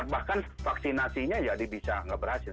bahkan vaksinasinya jadi bisa nggak berhasil